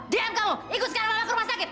diam kamu ikut sekarang mama ke rumah sakit